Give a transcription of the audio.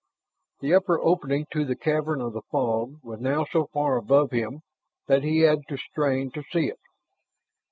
The upper opening to the cavern of the fog was now so far above him that he had to strain to see it.